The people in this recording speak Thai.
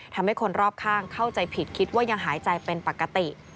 ทำให้คนรอบข้างเข้าใจผิดคิดว่ายังหายใจเป็นปกติ